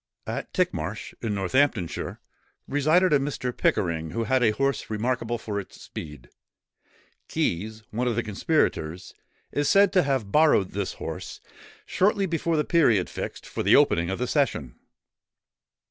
At Tickmarsh, in Northamptonshire, resided a Mr. Pickering, who had a horse remarkable for its speed; Keys, one of the conspirators, is said to have borrowed this horse, shortly before the period fixed for the opening of the session.